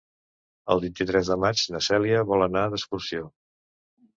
El vint-i-tres de maig na Cèlia vol anar d'excursió.